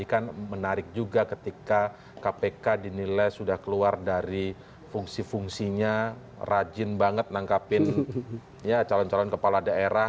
ini kan menarik juga ketika kpk dinilai sudah keluar dari fungsi fungsinya rajin banget nangkapin calon calon kepala daerah